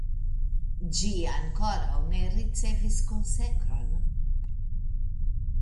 Ĝi ankoraŭ ne ricevis konsekron.